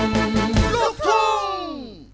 ลูกทุ่ง